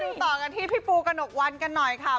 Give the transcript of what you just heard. ต่อกันที่พี่ปูกระหนกวันกันหน่อยค่ะ